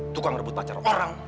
tukang rebut pacar orang